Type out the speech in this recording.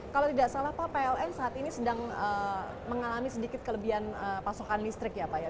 kalau tidak salah pak pln saat ini sedang mengalami sedikit kelebihan pasokan listrik ya pak ya